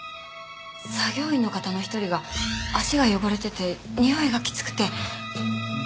作業員の方の一人が足が汚れててにおいがきつくて。